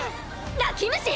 泣き虫！！